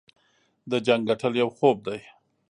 د جنګ ګټل یو خوب دی.